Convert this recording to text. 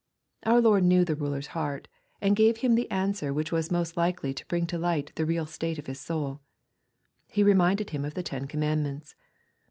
Our Lord knew the ruler's heart, and gave him the answer which was most likely to bring to light the real state of his soul. He reminds him of the ten commandments.